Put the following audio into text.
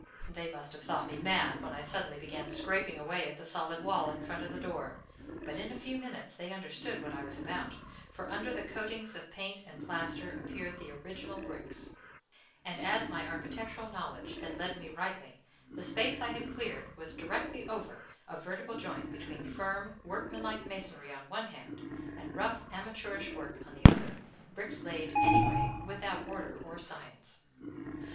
They must have thought me mad when I suddenly began scraping away at the solid wall in front of the door; but in a few minutes they understood what I was about, for under the coatings of paint and plaster appeared the original bricks; and as my architectural knowledge had led me rightly, the space I had cleared was directly over a vertical joint between firm, workmanlike masonry on one hand, and rough amateurish work on the other, bricks laid anyway, and without order or science.